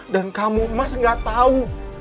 dan kamu mas gak tau